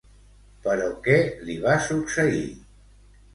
Però què li va succeir?